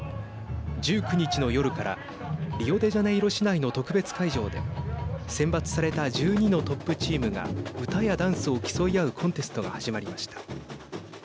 １９日の夜からリオデジャネイロ市内の特別会場で選抜された１２のトップチームが歌やダンスを競い合うコンテストが始まりました。